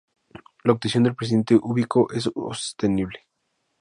La actuación del Presidente Ubico es ostensible.